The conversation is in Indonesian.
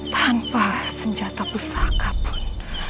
tanpa senjata pusaka pun